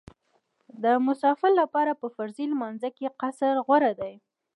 د مسافر لپاره په فرضي لمانځه کې قصر غوره دی